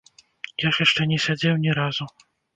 Я ж яшчэ не сядзеў ні разу.